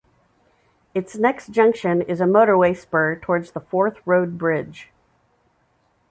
Its next junction is a motorway spur towards the Forth Road Bridge.